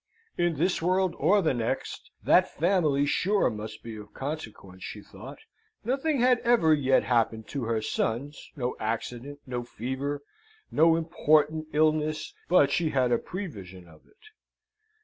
In this world or the next, that family sure must be of consequence, she thought. Nothing had ever yet happened to her sons, no accident, no fever, no important illness, but she had a prevision of it.